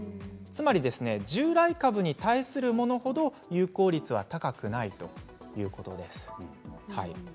つまり従来株に対するものほど有効率は高くないということです。